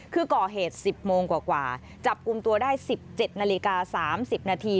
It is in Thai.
คือก่อเหตุ๑๐โมงกว่าจับกลุ่มตัวได้๑๗นาฬิกา๓๐นาที